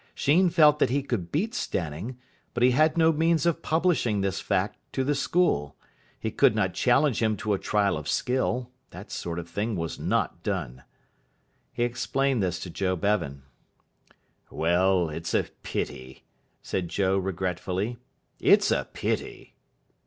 Sheen felt that he could beat Stanning, but he had no means of publishing this fact to the school. He could not challenge him to a trial of skill. That sort of thing was not done. He explained this to Joe Bevan. "Well, it's a pity," said Joe regretfully. "It's a pity."